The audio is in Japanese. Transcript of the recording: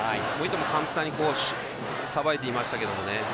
簡単にさばいていましたけどね。